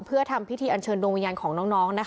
เพื่อทำพิธีอัญเชิญโดมิญญาณของน้องนะคะ